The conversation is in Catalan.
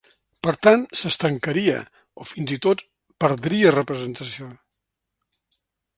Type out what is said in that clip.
Per tant, s’estancaria o fins i tot perdria representació.